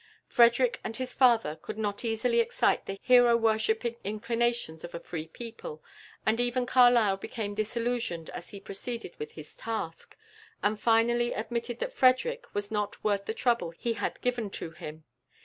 Frederick and his father could not easily excite the hero worshipping inclinations of a free people, and even Carlyle became disillusioned as he proceeded with his task, and finally admitted that Frederick was not worth the trouble he had given to him.